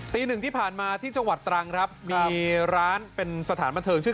ตีหนึ่งที่ผ่านมาที่จังหวัดตรังครับมีร้านเป็นสถานบันเทิงชื่อ